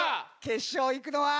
決勝へ行くのは？